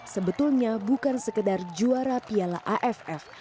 sebetulnya bukan sekedar juara piala aff